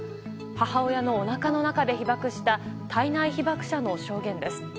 母親のおなかの中で被爆した胎内被爆者の証言です。